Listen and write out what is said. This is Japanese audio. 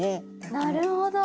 なるほど。